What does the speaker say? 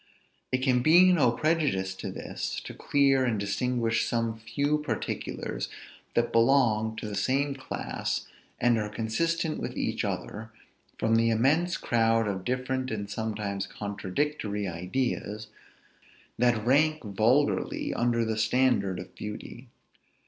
It can be no prejudice to this, to clear and distinguish some few particulars that belong to the same class, and are consistent with each other, from the immense crowd of different and sometimes contradictory ideas, that rank vulgarly under the standard of beauty.